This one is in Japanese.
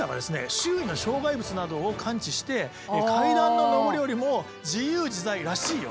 周囲の障害物などを感知して階段の上り下りも自由自在らしいよ。